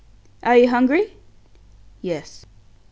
"Are you hungry?" "Yes."